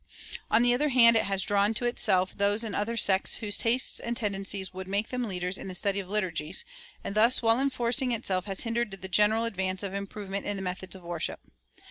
On the other hand, it has drawn to itself those in other sects whose tastes and tendencies would make them leaders in the study of liturgics, and thus while reinforcing itself has hindered the general advance of improvement in the methods of worship.